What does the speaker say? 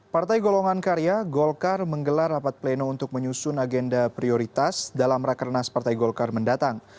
partai golongan karya golkar menggelar rapat pleno untuk menyusun agenda prioritas dalam rakernas partai golkar mendatang